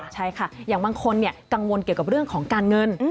ใช่ค่ะอย่างบางคนกังวลเกี่ยวกับเรื่องของการเงิน